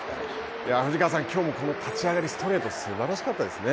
藤川さん、きょうも立ち上がりからストレートがすばらしかったですね。